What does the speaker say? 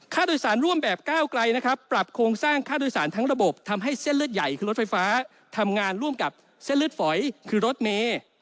ค่าโดยสารร่วมแบบก้าวไกลนะครับปรับโครงสร้างค่าโดยสารทั้งระบบทำให้เส้นเลือดใหญ่คือรถไฟฟ้าทำงานร่วมกับเส้นเลือดฝอยคือรถเมย์